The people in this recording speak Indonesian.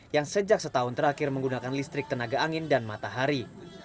yang sejak setahun terakhir menggunakan listrik tenaga angin dan matahari